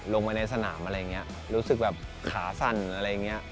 ลงไปในสนามอะไรอย่างนี้รู้สึกแบบขาสั่นอะไรอย่างนี้